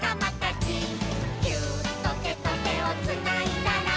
「ギューッとてとてをつないだら」